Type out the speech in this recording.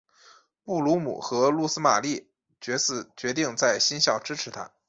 布卢姆和露丝玛丽决定在新校支持他。